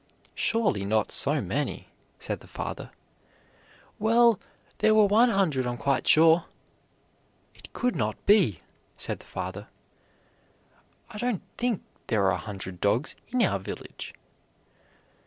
"Surely not so many," said the father. "Well, there were one hundred, I'm quite sure." "It could not be," said the father; "I don't think there are a hundred dogs in our village."